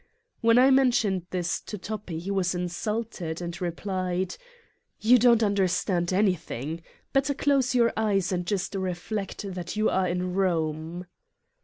When I mentioned this to Toppi he was insulted and replied : "You don't understand anything: better close your eyes and just reflect that you are in Eome."